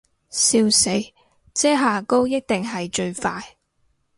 笑死，遮瑕膏一定係最快